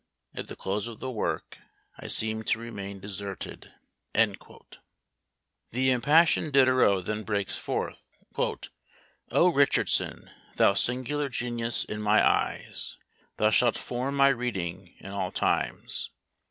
At the close of the work I seemed to remain deserted." The impassioned Diderot then breaks forth: "Oh, Richardson! thou singular genius in my eyes! thou shalt form my reading in all times.